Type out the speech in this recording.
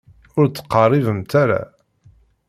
Ur d-ttqerribemt ara.